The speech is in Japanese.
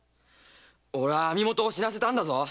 俺は網元を死なせたんだぞ！